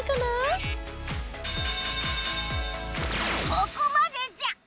ここまでじゃ！